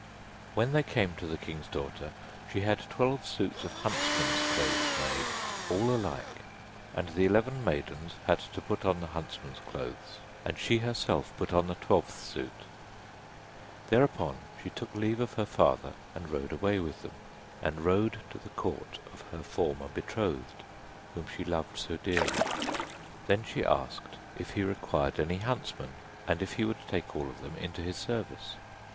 When they came to the king's daughter, she had twelve suits of huntsmen's clothes made, all alike, and the eleven maidens had to put on the huntsmen's clothes, and she herself put on the twelfth suit. Thereupon she took her leave of her father, and rode away with them, and rode to the court of her former betrothed, whom she loved so dearly. Then she asked if he required any huntsmen, and if he would take all of them into his service.